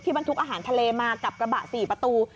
ที่มันถูกอาหารทะเลมากับกระบะสี่ประตู